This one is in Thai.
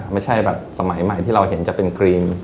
ไม่ใช่แบบสมัยใหม่ที่เราเห็นจะเป็นครีม